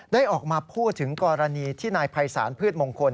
ได้ออกมาพูดถึงกรณีที่นายภัยศาลพืชมงคล